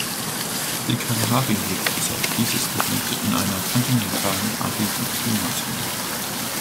Die Kalahari liegt bis auf dieses Gebiet in einer kontinentalen ariden Klimazone.